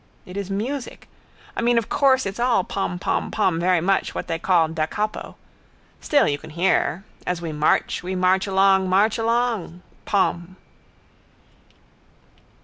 It is music. I mean of course it's all pom pom pom very much what they call da capo. Still you can hear. As we march, we march along, march along. Pom.